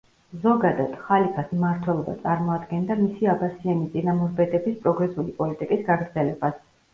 ზოგადად, ხალიფას მმართველობა წარმოადგენდა მისი აბასიანი წინამორბედების პროგრესული პოლიტიკის გაგრძელებას.